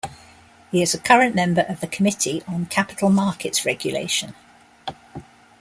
He is a current member of the Committee on Capital Markets Regulation.